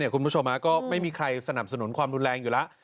คุณผู้ชมก็ไม่มีใครสนับสนุนความรุนแรงอยู่แล้ว